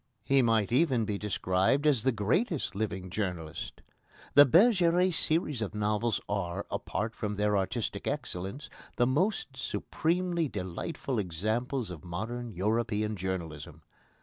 He might even be described as the greatest living journalist. The Bergeret series of novels are, apart from their artistic excellence, the most supremely delightful examples of modern European journalism.